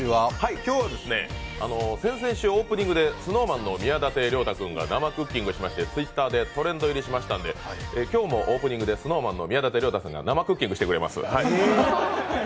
今日はですね、先々週オープニングでＳｎｏｗＭａｎの宮舘涼太君が生クッキングをしまして、Ｔｗｉｔｔｅｒでトレンド入りしましたので今日もオープニングでＳｎｏｗＭａｎの宮舘さんが生クッキングしてくれます。